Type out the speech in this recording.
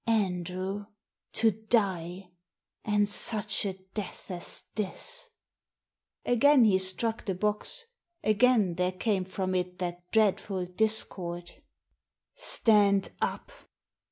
Andrew — to die ! And such a death as this !" Again he struck the box. Again there came from it that dreadful discord. ^ Stand up!"